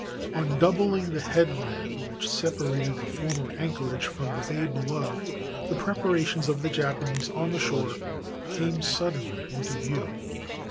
On doubling the headland which separated the former anchorage 428 COMMODORE PERRY IN JAPAN from the bay below, the preparations of the Japanese on the shore came suddenly into view.